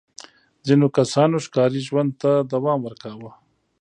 ځینو کسانو ښکاري ژوند ته دوام ورکاوه.